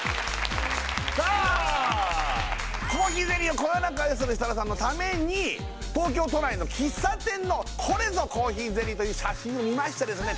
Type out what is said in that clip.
さあコーヒーゼリーをこよなく愛する設楽さんのために東京都内の喫茶店のこれぞコーヒーゼリーという写真を見ましてですね